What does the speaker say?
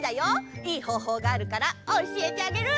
いいほうほうがあるからおしえてあげる！